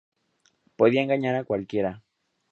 Podía engañar a cualquiera.